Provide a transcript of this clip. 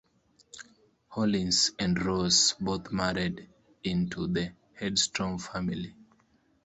Hollins and Rose both married into the Hedstrom family.